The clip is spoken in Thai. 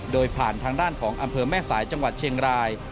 โดยผ่านทางด้านของอำเภอแม่สายจังหวัดเชียงราย